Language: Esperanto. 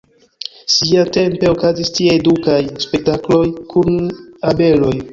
Siatempe okazis tie edukaj spektakloj kun abeloj.